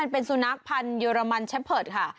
เป็นสุนัขพันธ์เยอรมันแชมเพิตค่ะ